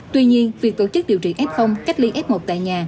tuy nhiên việc tổ chức điều trị f cách ly f một tại nhà